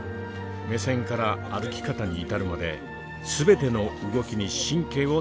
目線から歩き方に至るまで全ての動きに神経をとがらせます。